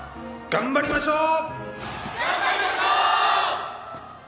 頑張りましょう！